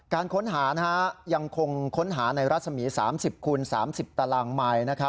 การค้นหายังคงค้นหาในรัศมี๓๐คูณ๓๐ตารางไมค์